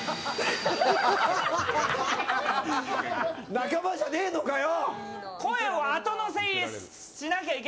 仲間じゃねーのかよ！